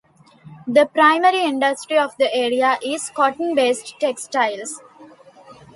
The primary industry of the area is cotton-based textiles.